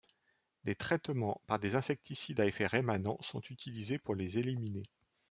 Des traitements par des insecticides à effet rémanent sont utilisés pour les éliminer.